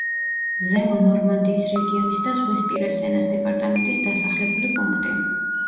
ზემო ნორმანდიის რეგიონის და ზღვისპირა სენას დეპარტამენტის დასახლებული პუნქტი.